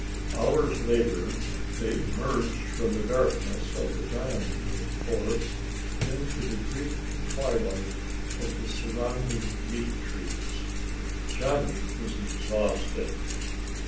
Hours later they emerged from the darkness of the diamond wood forest into the green twilight of the surrounding meat trees. Johnny was exhausted.